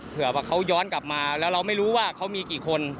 เผื่อว่าเขาย้อนกลับมาแล้วเราไม่รู้ว่าเขามีกี่คน